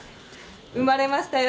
生まれましたよ。